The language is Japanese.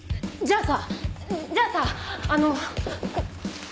じゃあさじゃあさあの。